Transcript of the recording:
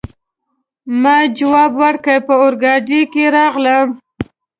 ما ځواب ورکړ: په اورګاډي کي راغلم.